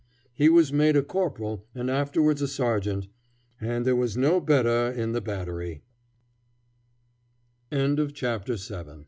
He was made a corporal and afterwards a sergeant, and there was no better in the battery. CHAPTER VIII. RED TAPE.